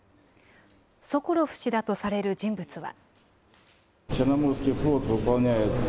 ソコロフ氏だとされる人物は。